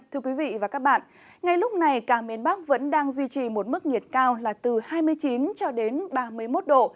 thưa quý vị và các bạn ngay lúc này cả miền bắc vẫn đang duy trì một mức nhiệt cao là từ hai mươi chín cho đến ba mươi một độ